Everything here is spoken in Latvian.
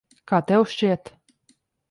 Kā tev šķiet?